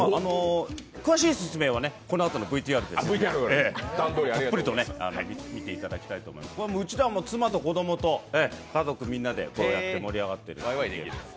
詳しい説明は、このあとのＶＴＲでたっぷりと見ていただきたいと思うんですけど、うちでは妻と子供と家族みんなでこれやって盛り上がっています。